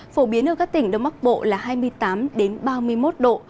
phổ biến ở các tỉnh đông bắc bộ là hai mươi tám ba mươi một độ